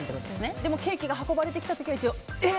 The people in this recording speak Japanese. でもケーキが運ばれてきた時は一応えー！